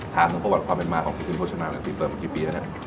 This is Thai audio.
ถามถึงประวัติความแรงมากของสุขีดมโภชนาศิเติมกี่ปีแล้วนะ